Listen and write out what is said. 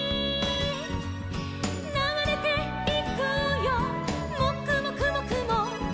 「ながれていくよもくもくもくも」